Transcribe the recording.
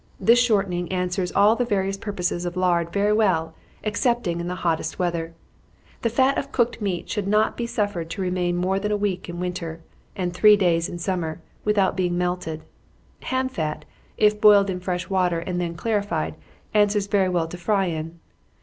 This shortening answers all the various purposes of lard very well, excepting in the hottest weather. The fat of cooked meat should not be suffered to remain more than a week in winter, and three days in summer, without being melted. Ham fat, if boiled in fresh water, and then clarified, answers very well to fry in.